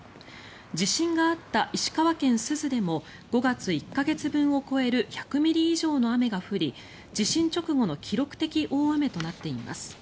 地震があった石川県珠洲でも５月１か月分を超える１００ミリ以上の雨が降り地震直後の記録的大雨となっています。